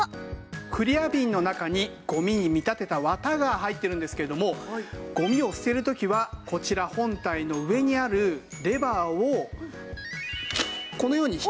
クリアビンの中にゴミに見立てた綿が入ってるんですけれどもゴミを捨てる時はこちら本体の上にあるレバーをこのように引き上げるだけでいいんです。